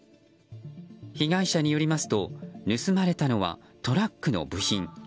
被害者によりますと盗まれたのはトラックの部品。